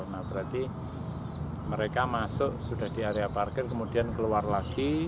nah berarti mereka masuk sudah di area parkir kemudian keluar lagi